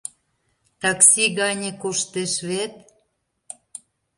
Такси гане коштеш вет...